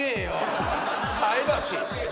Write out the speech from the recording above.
菜箸！